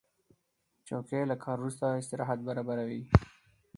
چوکۍ له کار وروسته استراحت برابروي.